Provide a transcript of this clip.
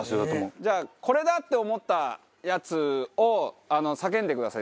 じゃあこれだって思ったやつを叫んでください。